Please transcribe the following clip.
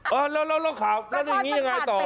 เอาขอบอย่างนี้ยังไงต่อ